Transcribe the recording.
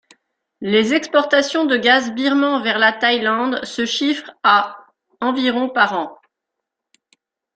Les exportations de gaz birman vers la Thaïlande se chiffrent à environ par an.